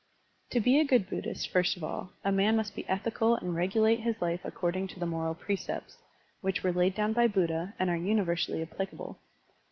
To be a good Buddhist, first of all, a man must be ethical and regulate his life according to the moral precepts, which were laid down by Buddha and are universally applicable.